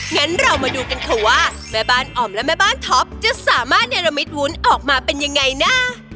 งั้นเรามาดูกันค่ะว่าแม่บ้านอ่อมและแม่บ้านท็อปจะสามารถเนรมิตวุ้นออกมาเป็นยังไงนะ